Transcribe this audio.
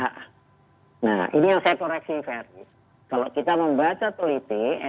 nah ini yang saya koreksi ferdi kalau kita membaca teliti